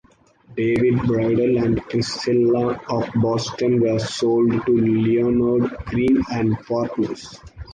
David's Bridal and Priscilla of Boston were sold to Leonard Green and Partners.